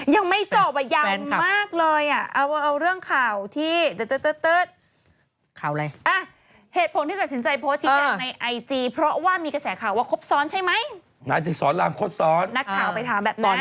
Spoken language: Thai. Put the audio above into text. ยังไม่จอบยาวมากเลย